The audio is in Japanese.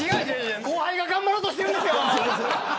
後輩が頑張ろうとしてるんですよ。